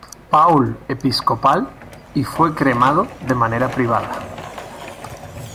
Paul Episcopal y fue cremado de manera privada.